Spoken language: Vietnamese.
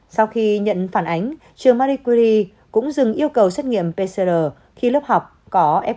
sau khi nhận phản ánh trường marie curie cũng dừng yêu cầu xét nghiệm pcr khi lớp học có f